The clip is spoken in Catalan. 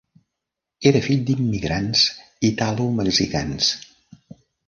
Era fill d'immigrants italomexicans.